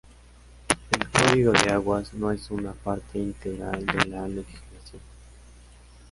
El Código de Aguas no es una parte integral de la legislación.